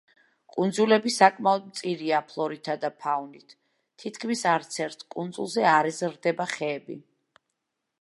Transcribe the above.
კუნძულები საკმაოდ მწირია ფლორითა და ფაუნით, თითქმის არცერთ კუნძულზე არ იზრდება ხეები.